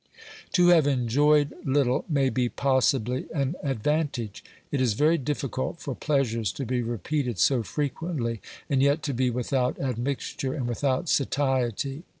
To have enjoyed little may be possibly an advantage ; it is very difficult for pleasures to be repeated so frequently, and yet to be without admixture and without satiety.